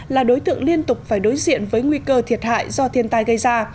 là đối tượng liên tục phải đối diện với nguy cơ thiệt hại do thiên tai gây ra